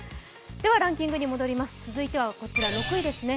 ランキングに戻りますこちら６位ですね。